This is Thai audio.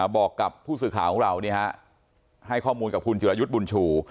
บอกกับผู้สื่อข่าวของเราให้ข้อมูลกับคุณจิรายุทธ์บุญชู